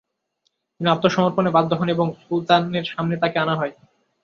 তিনি আত্মসমর্পণে বাধ্য হন এবং সুলতানের সামনে তাকে আনা হয়।